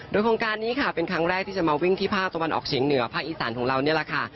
โดยโครงการนี้ค่ะเป็นครั้งแรกที่จะมาวิ่งที่ภาคตะวันออกเฉียงเหนือภาคอีสานของเรานี่แหละค่ะ